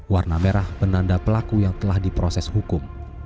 warna merah benda pelaku yang telah diproses hukum